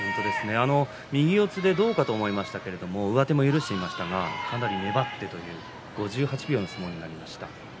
右四つでどうかと思いましたけど上手も許していましたがかなり粘ってという５８秒の相撲になりました。